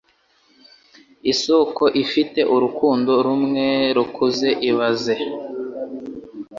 Isoko ifite urukundo rumwe rukuze ibaze